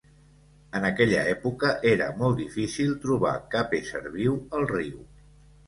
En aquella època, era molt difícil trobar cap ésser viu al riu.